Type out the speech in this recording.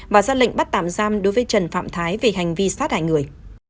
và ra lệnh bắt tạm giam đối với trần phạm thái về hành vi sát hại người